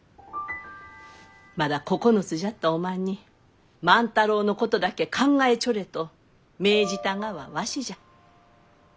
まだ９つじゃったおまんに万太郎のことだけ考えちょれと命じたがはわしじゃ。